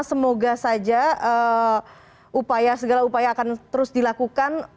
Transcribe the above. semoga saja upaya segala upaya akan terus dilakukan